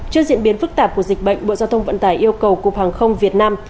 trước diễn biến phức tạp của dịch bệnh bộ giao thông vận tải yêu cầu cục hàng không việt nam